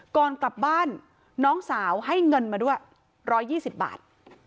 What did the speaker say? ก่อนกลับบ้านน้องสาวให้เงินมาด้วย๑๒๐บาท